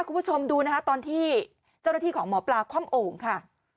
คุณผู้ชมดูนะคะตอนที่เจ้าหน้าที่ของหมอปลาคว่ำโอ่งค่ะ